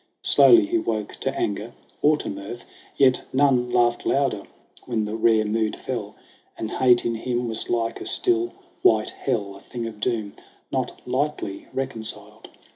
Slowly he 'woke to anger or to mirth ; Yet none laughed louder when the rare mood fell, And hate in him was like a still, white hell, A thing of doom not lightly reconciled.